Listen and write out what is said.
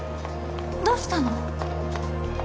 どうしたの？